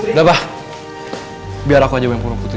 ndapah biar aku aja yang pulang putri